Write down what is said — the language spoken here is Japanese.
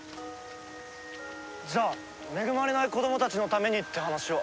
じゃあ恵まれない子供たちのためにって話は？